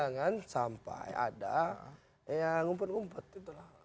jangan sampai ada yang ngumpet ngumpet itulah